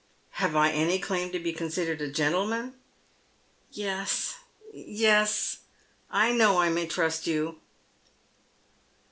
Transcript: " Have I any claim to be considered a gentleman ?"Yes, yes, I know I may trust you."